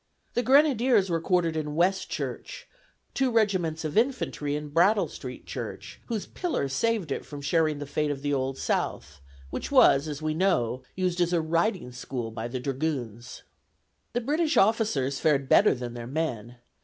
The grenadiers were quartered in West Church; two regiments of infantry in Brattle Street Church, whose pillars saved it from sharing the fate of the Old South, which was, as we know, used as a riding school by the dragoons. The British officers fared better than their men.